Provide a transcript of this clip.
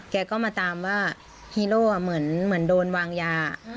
แกก็มาตามว่าฮีโร่เหมือนโดนวางยา